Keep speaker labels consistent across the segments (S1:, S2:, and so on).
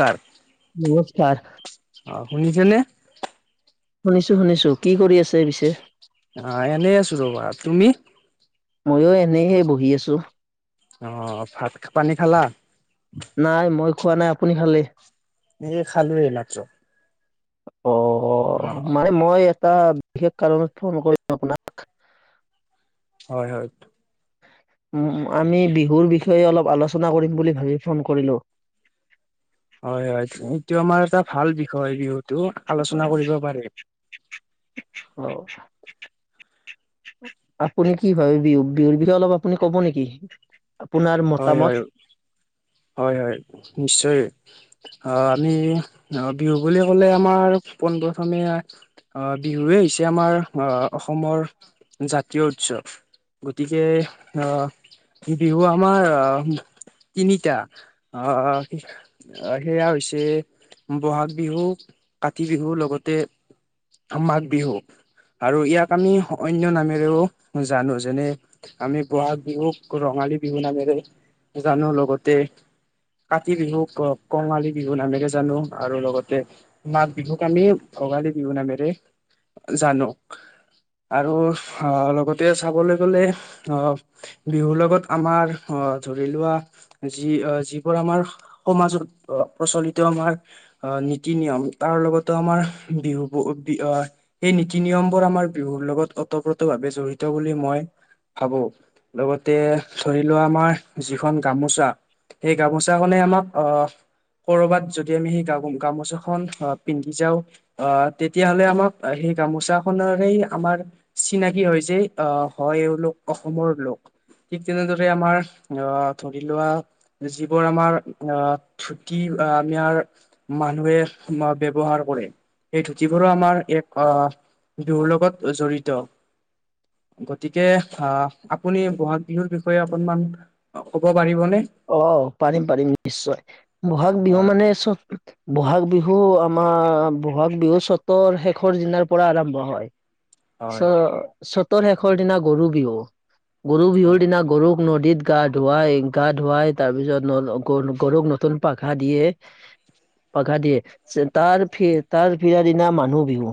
S1: কাৰ।
S2: নমস্কাৰ।
S1: অ শুনিছেনে।
S2: শুনিছোঁ শুনিছোঁ কি কৰি আছে পিছে।
S1: আহ এনেই আছোঁ ৰ'বা তুমি।
S2: মইও এনেহে বহি আছোঁ।
S1: অ ভাত পানী খালা।
S2: নাই মই খোৱা নাই আপুনি খালে।
S1: এই খালো এই মাত্ৰ।
S2: অ
S1: অ
S2: মানে মই এটা। বিশষ কাৰণ ফোন কৰি আপোনাক।
S1: হয় হয়।
S2: আমি বিহুৰ বিষয়ে অলপ আলোচনা কৰিম বুলি ভাৱি ফোন কৰিলোঁ। [unintelligible]
S1: হয় হয় এইটো আমাৰ এটা ভাল বিষয় বিহুত। এইটো আলোচনা কৰিব পাৰি।
S2: অ' আপুনি কি ভাবে বিহু বিহুৰ বিষয়ে অলপ আপুনি কব নেকি? আপোনাৰ
S1: হয় হয়
S2: মতামত
S1: হয় হয় নিশ্চয় অ আমি অ বিহু বুলি ক'লে আমাৰ পোন প্ৰথমে অ বিহুৱে হৈছে আমাৰ অহ অসমৰ জাতীয় উৎসৱ। গতিকে অহ বিহু আমাৰ আহ তিনি এতিয়া আহ সেয়া হৈছে বহাগ বিহু কাতি বিহু লগতে মাঘ বিহু। আৰু ইয়াক আমি অন্য নামেৰেও জানো যেনে আমি বহাগ বিহুক ৰঙা ৰংঙালি বিহু নামেৰে জানো লগতে কাতি বিহুক কঙালী বিহু নামেৰে জানো আৰু লগতে মাঘ বিহুক আমি ভোগালী বিহু নামেৰে জানো। আৰু আ লগতে চাবলৈ গলে অ বিহুৰ লগত আমাৰ অ ধৰি লোৱা যি যিবোৰ আমাৰ সমাজত প্ৰচলিত আমাৰ নীতি নিয়ম, তাৰ লগটো আমাৰ বিহু সেই নীতি নিয়ম বোৰ আমাৰ বিহুৰ লগত অত প্ৰত ভাৱে জড়িত বুলি মই ভাবো। লগতে ধৰি লোৱা আমাৰ যিখন গামোচা সেই গামোচাখনে আমাক আ কৰবাত যদি আমি সেই গামোচাখন আ পিন্ধি যাওঁ আ তেতিয়াহলে আমাক সেই গামোচা খনৰ সেই আমাৰ চিনাকি হয় যে হয় এওঁলোক অসমৰ লোক। ঠিক তেনেদৰে আমাৰ আ ধৰি লোৱা যিবোৰ আমাৰ আ ধুতি বা আমাৰ মানুহে ব্যৱহাৰ কৰে সেই যিবোৰো আমাৰ এক দুৰ লগত জড়িত গতিকে আ আপুনি বহাগ বিহুৰ বিষয়ে অকনমান ক'ব পাৰিবনে?
S2: অ পাৰিম পাৰিম নিশ্চয় বহাগ বিহু
S1: হয়
S2: মানে চব বহাগ বিহু বিহু আমাৰ বহাগ বিহু চতৰ শেষৰ দিনাৰ পৰা আৰম্ভ হয়। চ
S1: হয়
S2: চতৰ শেষৰ দিনা গৰু বিহু গৰু বিহুৰ দিনা গৰু নদীত গা ধোৱা এক গা ধুৱাই তাৰ পিছত ন গৰুক নতুন পাঘা দিয়ে পাঘা দিয়ে তাৰ তাৰ পিৰা দিনা মানুহ বিহু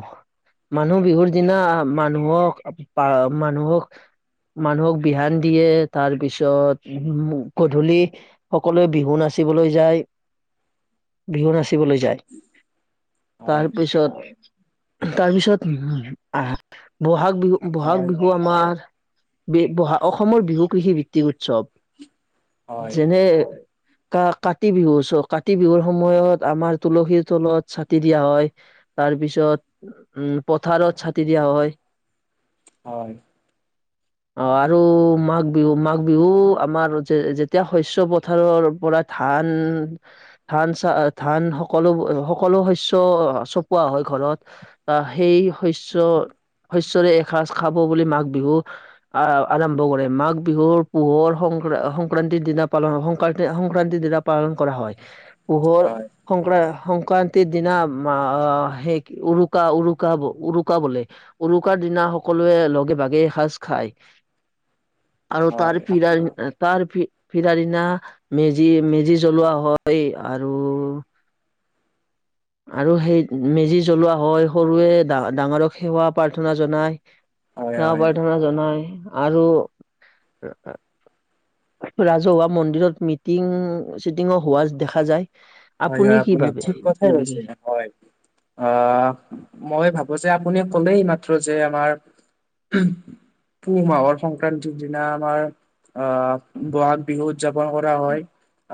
S2: মানুহ বিহুৰ দিনা মানুহক পা মানুহক মানুহক বিহান দিয়ে তাৰ পিছত গধূলি সকলোৱে বিহু নাচিবলৈ যায়, বিহু নাচি চিবলৈ যায়, তাৰ
S1: হয়
S2: পিছত তাৰপিছত আ বহাগ বিহু বহাগ
S1: হয়
S2: বিহু আমাৰ বি বহা অসমৰ বিহু কৃষি ভিত্তিক উৎসৱ,
S1: হয়
S2: যেনে কা কাতি বিহু চ কাতি বিহুৰ সময়ত আমাৰ তুলসীৰ তলত ছাতি দিয়া হয়। তাৰ পিছত উম পথাৰত ছাটি দিয়া হয়।
S1: হয়।
S2: অ আৰু মাঘ বিহু মাঘ বিহু আমাৰ যে এতিয়া শস্য পথাৰৰ পৰা ধান ধান চা ধান সকলো সকলো শস্য চপোৱা হয় ঘৰত আ সেই শস্য শস্যৰে এসাঁজ খাব বুলি মাঘ বিহু আ আৰম্ভ কৰে, মাঘ বিহুৰ পোহৰ সং অহং সংক্ৰান্তিৰ দিনা পালন সংক্ৰান্তি সংক্ৰান্তিৰ দিনা পালন কৰা হয়, পোহৰ
S1: হয়
S2: সংক্ৰান সংক্ৰান্তিৰ দিনা সেই উৰুকা উৰুকা উৰুকা বোলে। উৰুকাৰ দিনা সকলোৱে লগে ভাগে এসাঁজ খায়। আৰু
S1: হয় হয়
S2: তাৰ
S1: আপুনি
S2: ফিৰাৰ তাৰ ফি ফিৰাৰ দিনা মেজি-মেজি জ্বলোৱা হয় আৰু আৰু সেই মেজি জ্বলোৱা হয় সৰুয়ে ডাঙৰক সেৱা প্ৰাৰ্থনা জনায়।
S1: হয়
S2: সেৱা
S1: হয় হয়
S2: প্ৰাৰ্থনা জনাই আৰু ৰাজহুৱা মন্দিৰত মিটিং-চিটিং হোৱা দেখা যায়।
S1: হয়-হয়
S2: কি
S1: আপুনি
S2: ভাবে
S1: ঠিক কথাই
S2: এই
S1: কৈছে
S2: বিষয়ে
S1: হয়। অ, মই ভাব যে আপুনি কলেই মাত্ৰ যে আমাৰ পুহ মাহৰ সংক্ৰান্তিৰ দিনা আমাৰ আ, বহাগ বিহু উদযাপন কৰা হয়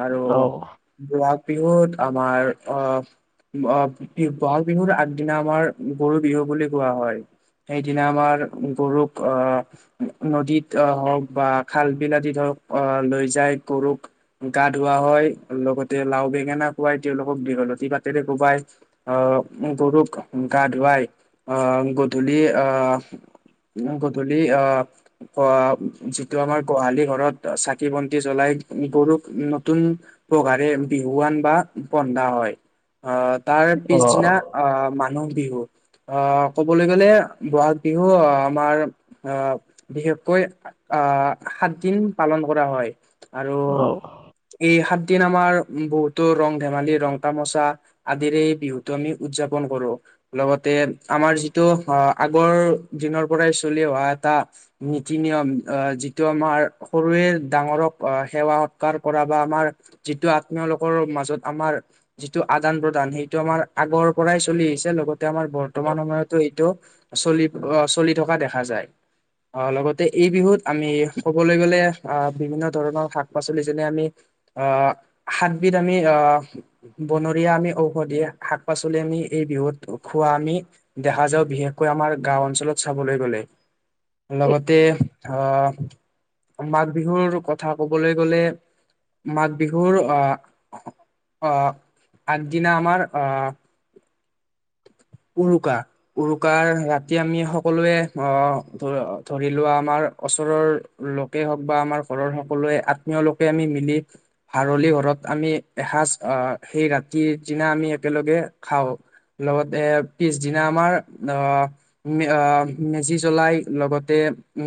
S1: আৰু
S2: অ
S1: বহাগ বিহুত আমাৰ অ, আ, বি বহাগ বিহুৰ আগদিনা আমাৰ গৰু বিহু বুলি কোৱা হয়। সেইদিনা আমাৰ গৰুক আ, নদীত হওঁক বা খাল বিল আদিত হওঁক লৈ যায় গৰুক গা ধুওঁৱা হয় লগতে লাও বেঙেনা কোৱাই তেওঁলক দীঘলতি পাতেৰে কোৱাই আ, গৰুক গা ধুৱাই আহ গধূলি আ গধূলি আ, কুৱা, যিটো আমাৰ গোহালি ঘৰত চাকি বন্তি জ্বলাই গৰুক নতুন পঘাৰে বিহুৱান বা বন্ধা হয়। আ, তাৰ
S2: অ
S1: পিছদিনা আ, মানুহ বিহু অ, ক'বলৈ গলে বহাগ বিহু অ, আমাৰ অ, বিশেষকৈ আহ, সাত দিন পালন কৰা হয়। আৰু এই সাতদিন আমাৰ উম, বহুতো ৰং ধেমালি, ৰং তামচা আদিৰে বিহুতটো আমি উদযাপন কৰো। লগতে তে আমাৰ যিটো অ, আগৰ দিনৰ পৰাই চলি অহা এটা নীতি নিয়ম আহ, যিটো আমাৰ সৰুৱে ডাঙৰক সেৱা সৎকাৰ কৰা বা আমাৰ যিটো আ তেওঁলোকৰ মাজত আমাৰ যিটো আদান প্ৰদান সেইটো আমাৰ আগৰ পৰাই চলি আহিছে লগতে এয়া আমাৰ বৰ্তমান সময়তো এইটো চলি-চলি থকা দেখা যায়। আ, লগতে এই বিহুত আমি কবলৈ গলে আ, বিভিন্ন ধৰণৰ শাক পাচলি যেনে আমি আ সাতবিধ আমি আ, বনৰীয়া আমি ঔষধি শাক পাচলি আমি এই বিহুত খোৱা আমি দেখা যাওঁ বিশেষকৈ আমাৰ গাও অঞ্চলত চাবলৈ গলে। লগতে আ, মাঘ বিহুৰ কথা ক'বলৈ গলে মাঘ বিহুৰ আ-আ, আগদিনা আমাৰ আ
S2: [inaudible]
S1: উৰুকা, উৰুকাৰ ৰাতি আমি সকলোৱে আ, ধ-ধৰি লোৱা আমাৰ ওচৰৰ লোকেই হওক বা আমাৰ ঘৰৰ সকলোৱে আত্মীয় লোকে আমি মিলি হাৰলি ঘৰত আমি এসাঁজ আ, সেই ৰাতিৰ দিনা আমি একেলগে খাওঁ লগতে পিছদিনা আমাৰ আ-আ, মেজি জ্বলাই লগতে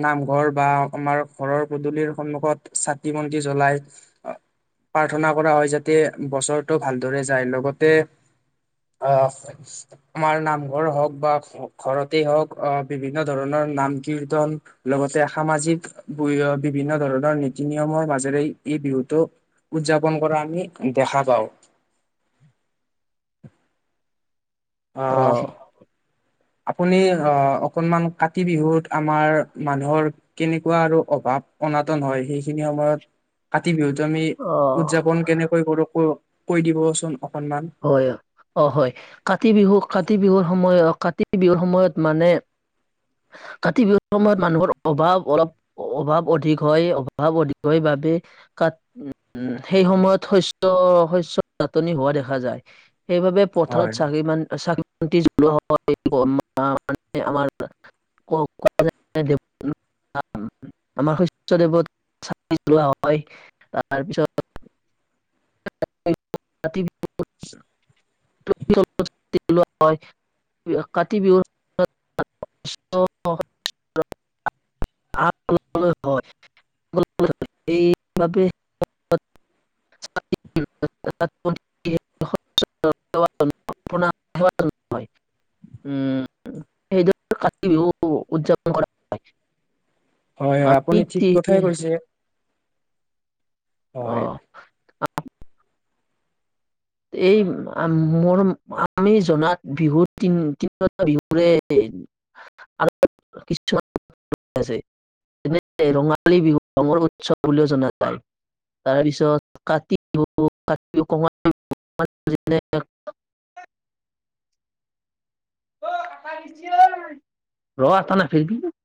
S1: নামঘৰ বা আমাৰ ঘৰৰ পদূলিৰ সন্মুখত চাকি বন্তি জ্বলাই প্ৰাৰ্থনা কৰা হয় যাতে বছৰটো ভালদৰে যায়। লগতে আ আমাৰ নামঘৰ হওক বা ঘৰতে হওক আ, বিভিন্ন ধৰণৰ নাম কীৰ্তন লগতে সামাজিক বিভিন্ন ধৰণৰ নীতি নিয়মৰ মাজেৰে এই বিহুটো উদযাপন কৰা আমি দেখা পাওঁ।
S2: [inaudible]
S1: আ
S2: অ
S1: আপুনি আ, অকনমান কাতি বিহুত আমাৰ মানুহৰ কেনেকুৱা আৰু অভাৱ অনাতন হয় সেইখিনি সময়ত
S2: [inaudible]
S1: কাতি বিহুতো আমি
S2: অ
S1: উদযাপন কেনেকৈ কৰো ক কৈ দিবচোন?
S2: হয় অ হয় কাতি বিহু কাতি বিহুৰ সময়ত কাতি বিহুৰ সময়ত মানে কাতি বিহুৰ সময়ত মানুহৰ অভাৱ অলপ অভাৱ অধিক হয় অভাৱ অধিক হয় বা বে কাত, উম সেই সময়ত শস্য শস্য নাটনি হোৱা দেখা দেখা যায় সেইবাবে পথাৰত
S1: হয়
S2: চাকি মান চা মানে আমাৰ [unintelligible] ক [unintelligible] আমাৰ শস্য দেৱতাক চাকি জ্বলোৱা হয় তাৰপিছত [unintelligible] চাকি জ্বলোৱা হয়। কাতি বিহু [unintelligible] [unintelligible] এইবাবে [unintelligible] উম সেইটো কাতি বিহু উদযাপন কৰা হয়।
S1: হয় হয়
S2: আমি
S1: আপুনি ঠিক কথাই কৈছে। হয়
S2: অঁ এই আ মোৰ আমি জনাত বিহুত তিন তিনিওটা বিহুৰে আৰু কিছু [unintelligible] নে ৰঙালী বিহু ৰঙৰ উৎসৱ বুলিও জনা যায়। তাৰপিছত কাতি বিহুক কাতি কঙালী [unintelligible] ৰ আ ত ন ফচবি [unintelligible]